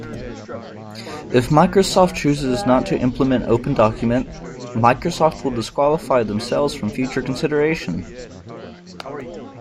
If Microsoft chooses not to implement OpenDocument, Microsoft will disqualify themselves from future consideration.